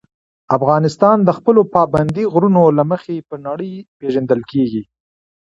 افغانستان د خپلو پابندي غرونو له مخې په نړۍ پېژندل کېږي.